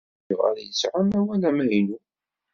Yebɣa ad yesɛu amawal amaynu.